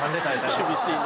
厳しいね。